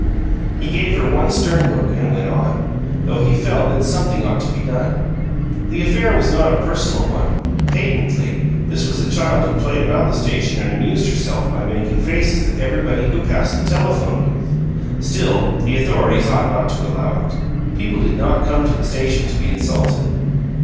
He gave her one stern look and went on; though he felt that something ought to be done. The affair was not a personal one patently, this was a child who played about the station and amused herself by making faces at everybody who passed the telephone booth still, the authorities ought not to allow it. People did not come to the station to be insulted.